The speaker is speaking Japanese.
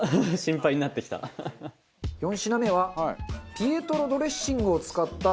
４品目はピエトロドレッシングを使った。